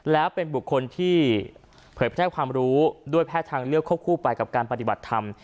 แล้วเป็นบุคคลที่เผยแพร่ความรู้ด้วยแพทย์ทางเลือกควบคู่ไปกับการปฏิบัติธรรม